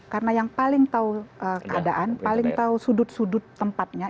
karena yang paling tahu keadaan paling tahu sudut sudut tempatnya